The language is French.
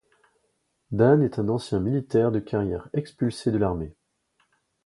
Dan est un ancien militaire de carrière expulsé de l'armée.